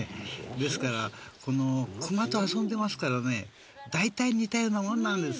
ですから熊と遊んでますからねだいたい似たようなもんなんです。